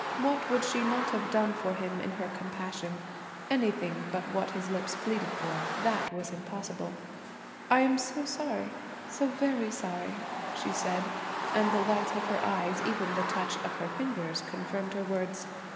What would she not have done for him in her compassion! Anything but what his lips pleaded for; that was impossible. "I am so sorry–so very sorry!" she said, and the light of her eyes, even the touch of her fingers confirmed her words.